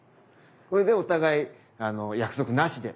これでお互い約束なしで。